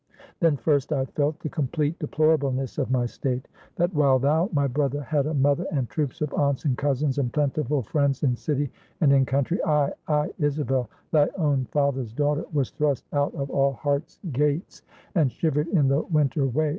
Then first I felt the complete deplorableness of my state; that while thou, my brother, had a mother, and troops of aunts and cousins, and plentiful friends in city and in country I, I, Isabel, thy own father's daughter, was thrust out of all hearts' gates, and shivered in the winter way.